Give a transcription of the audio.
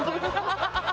ハハハハ！